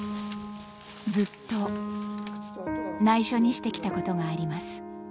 ずっと内緒にしてきたことがあります。